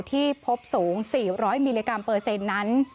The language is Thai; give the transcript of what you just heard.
ที่พบสูง๔๐๐มิลลิกรัมเปอร์เซ็นต์นั้น